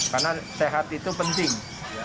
karena sehat itu penting